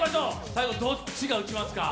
最後どっちが打ちますか？